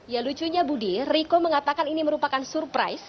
ya lucunya budi riko mengatakan ini merupakan surprise